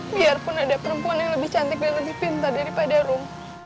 biarpun ada perempuan yang lebih cantik dan lebih pintar daripada room